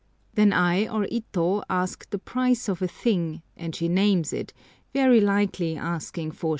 Then I or Ito ask the price of a thing, and she names it, very likely asking 4s.